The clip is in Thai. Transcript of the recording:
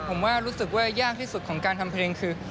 ผมว่ารู้สึกว่ายากที่สุดของการทำเพลงคือ